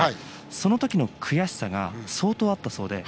その時の悔しさが相当あったそうで。